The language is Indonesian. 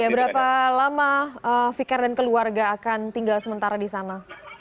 berapa lama fikar dan keluarga akan tinggal sementara di sana